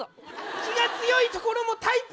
気が強いところもタイプ！